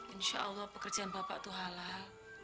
insya allah pekerjaan bapak itu halal